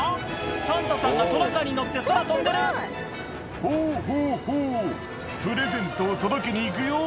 サンタさんがトナカイに乗って空飛んでる「ホホホプレゼントを届けに行くよ」